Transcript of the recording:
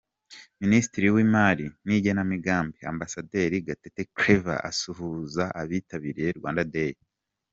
Minisitiri w’imari n’igenamigambi, Ambasaderi Gatete Claver asuhuza abitabiriye Rwanda Day.